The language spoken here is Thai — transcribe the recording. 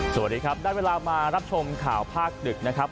สวัสดีครับได้เวลามารับชมข่าวภาคดึกนะครับ